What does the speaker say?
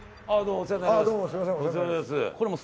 お世話になります。